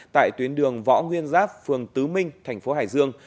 tại tuyến đường võ nguyên giáp phường tứ minh tp hải dương